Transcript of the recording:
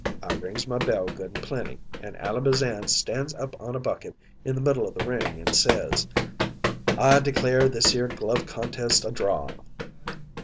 I rings my bell good an' plenty, an' Ally Bazan stands up on a bucket in the middle o' the ring an' says: "'I declare this 'ere glove contest a draw.'